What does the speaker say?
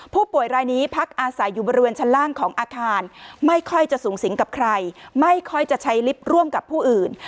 ผู้ป่วยรายนี้พักอาศัยอยู่บริเวณชั้นล่างของอาคารไม่ค่อยจะสูงสิงกับใครไม่ค่อยจะใช้ลิฟต์ร่วมกับผู้อื่น